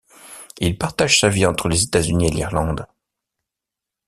Il partage sa vie entre les États-Unis et l'Irlande.